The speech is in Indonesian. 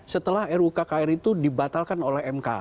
setelah rukkr itu dibatalkan oleh mk